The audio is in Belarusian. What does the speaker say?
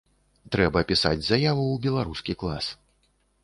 Трэба пісаць заяву ў беларускі клас.